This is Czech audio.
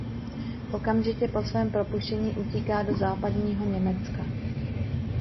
Okamžitě po svém propuštění utíká do Západního Německa.